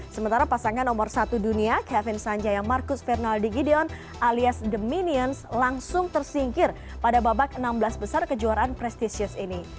sementara pasangan nomor satu dunia kevin sanjaya marcus fernaldi gideon alias the minions langsung tersingkir pada babak enam belas besar kejuaraan prestisius ini